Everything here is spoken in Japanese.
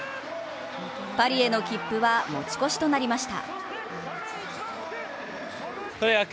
パリへの切符は持ち越しとなりました。